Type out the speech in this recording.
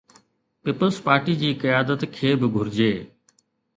Peoples Party جي قيادت کي به گهرجي.